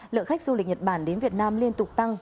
lượng khách du lịch nhật bản đến việt nam liên tục tăng